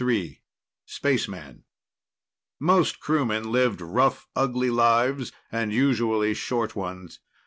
III Spaceman Most crewmen lived rough, ugly lives and usually, short ones.